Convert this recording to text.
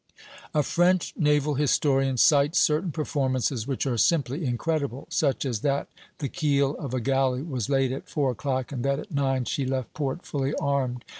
A French naval historian cites certain performances which are simply incredible, such as that the keel of a galley was laid at four o'clock, and that at nine she left port, fully armed.